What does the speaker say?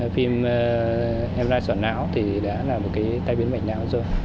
phim em lai sỏ não thì đã là một cái tai biến bệnh não rồi